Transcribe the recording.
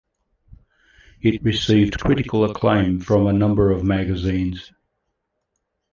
It received critical acclaim from a number of magazines.